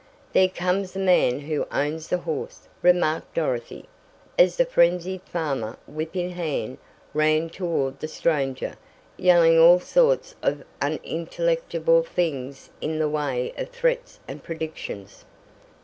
"There comes the man who owns the horse," remarked Dorothy, as the frenzied farmer, whip in hand, ran toward the stranger, yelling all sorts of unintelligible things in the way of threats and predictions.